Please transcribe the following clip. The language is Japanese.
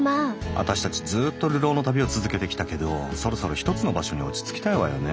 あたしたちずっと流浪の旅を続けてきたけどそろそろ一つの場所に落ち着きたいわよね。